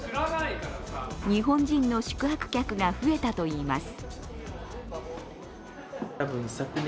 日本人の宿泊客が増えたといいます。